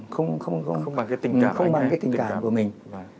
không bằng cái tình cảm của mình